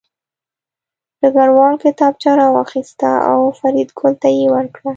ډګروال کتابچه راواخیسته او فریدګل ته یې ورکړه